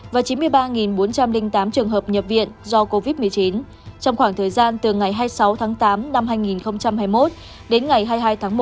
và chín mươi ba bốn trăm linh tám trường hợp nhập viện do covid một mươi chín trong khoảng thời gian từ ngày hai mươi sáu tháng tám năm hai nghìn hai mươi một đến ngày hai mươi hai tháng một